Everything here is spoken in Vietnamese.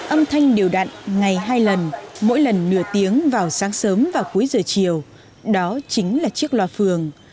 âm thanh đều đặn ngày hai lần mỗi lần nửa tiếng vào sáng sớm và cuối giờ chiều đó chính là chiếc loa phường